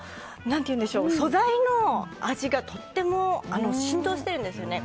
素材の味がとっても浸透してるんですよね。